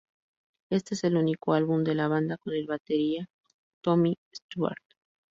Este es el único álbum de la banda con el batería Tommy Stewart.